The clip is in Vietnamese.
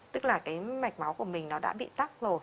tức là cái mạch máu của mình nó đã bị tắc rồi